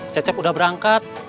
cecep udah berangkat